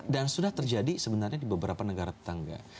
dan sudah terjadi sebenarnya di beberapa negara tetangga